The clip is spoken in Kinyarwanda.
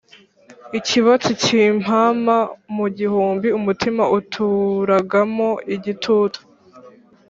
Ikibatsi kimpama mu gihumbi Umutima uturagaramo igitutu.